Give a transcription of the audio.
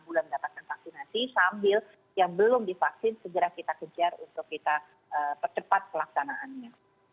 jadi enam bulan mendapatkan vaksinasi sambil yang belum divaksin segera kita kejar untuk kita percepat pelaksanaannya